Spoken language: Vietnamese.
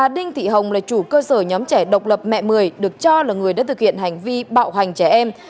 đinh thị hồng là chủ cơ sở nhóm trẻ độc lập mẹ một mươi được cho là người đã thực hiện hành vi bạo hành trẻ em